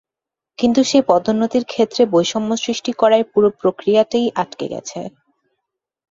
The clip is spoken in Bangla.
কিন্তু সেই পদোন্নতির ক্ষেত্রে বৈষম্য সৃষ্টি করায় পুরো প্রক্রিয়াটিই আটকে আছে।